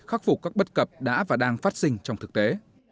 khắc phục các bất cập đã và đang phát sinh trong thực tế